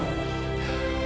putri masih hidup